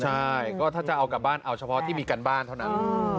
ใช่ก็ถ้าจะเอากลับบ้านเอาเฉพาะที่มีการบ้านเท่านั้น